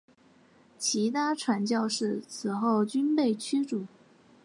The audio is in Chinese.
其他传教士此后均被驱逐。